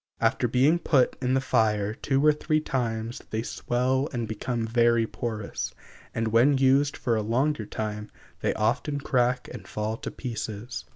After being put in the fire two or three times they swell and become very porous, and when used for a longer time they often crack and fall to pieces.